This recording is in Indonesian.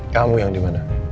kamu yang dimana